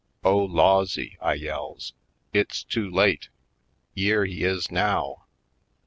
*'Oh, Lawsy," I yells, "it's too late — ^yere he is now!"